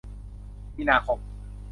มีนาคม